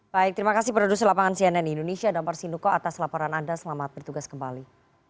baik terima kasih produser lapangan cnn indonesia damar sinuko atas laporan anda selamat bertugas kembali